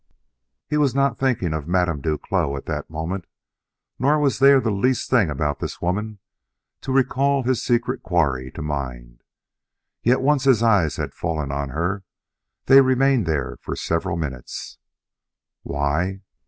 He was not thinking of Madame Duclos at that moment; nor was there the least thing about this woman to recall his secret quarry to mind. Yet once his eyes had fallen on her, they remained there for several minutes. Why?